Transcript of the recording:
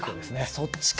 そっちか。